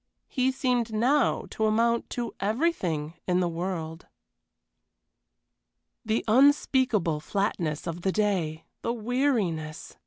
he seemed now to amount to everything in the world. The unspeakable flatness of the day! The weariness!